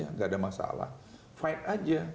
tidak ada masalah fight aja